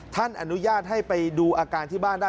อนุญาตให้ไปดูอาการที่บ้านได้